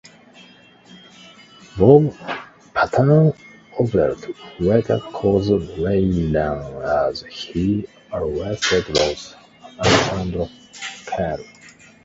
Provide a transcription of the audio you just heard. Bob (Patton Oswalt) later calls Raylan as he arrested Roz (Alexandra Kyle).